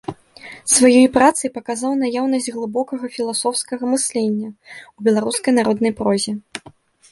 Сваёй працай паказаў наяўнасць глыбокага філасофскага мыслення ў беларускай народнай прозе.